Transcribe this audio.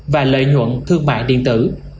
và lợi nhuận thương mạng điện tử